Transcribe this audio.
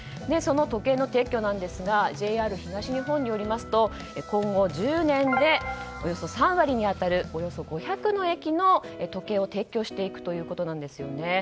その時計の撤去なんですがＪＲ東日本によりますと今後、１０年でおよそ３割に当たるおよそ５００の駅の時計を撤去していくということです。